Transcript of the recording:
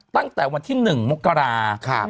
ตั้งแต่วันที่๑มกรา